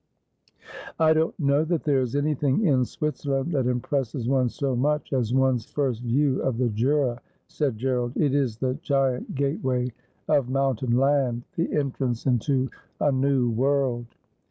' I don't know that there is anything in Switzerland that impresses one so much as one's first view of the Jura,' said Gerald. ' It is the giant gateway of mountain land — the en trance into a new world.'